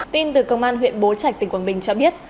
tin từ công an huyện bố trạch tỉnh quảng bình cho biết